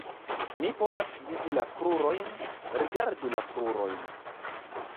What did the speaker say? Mi povas vidi la krurojn, rigardu la krurojn.